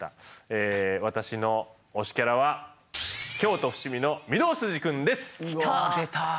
え私の推しキャラは京都伏見の御堂筋くんです。きた！